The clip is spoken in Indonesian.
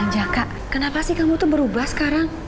jaka kenapa sih kamu tuh berubah sekarang